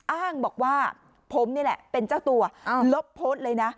อ้างบอกว่าผมนี่แหละเป็นเจ้าตัวลบโพสต์เลยนะ